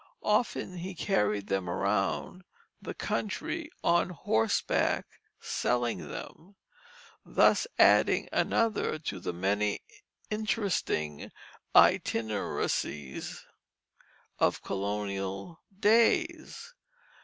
Often he carried them around the country on horseback selling them, thus adding another to the many interesting itineracies of colonial days.